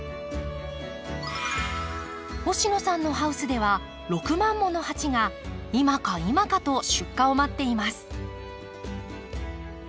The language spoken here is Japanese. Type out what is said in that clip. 星野さんのハウスでは６万もの鉢が今か今かと出荷を待っています。